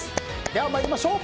では参りましょう。